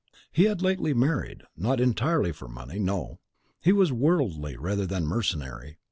He had lately married, not entirely for money, no! he was worldly rather than mercenary.